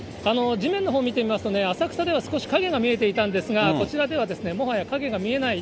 地面のほうを見てみますと、浅草では少し影が見えていたんですが、こちらでは、もはや影が見えない。